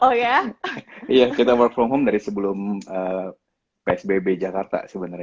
oh iya kita work from home dari sebelum psbb jakarta sebenarnya